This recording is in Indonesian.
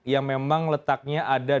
yang memang letaknya ada